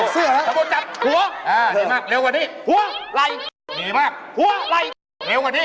จับตรงไหนตอบตรงนั้น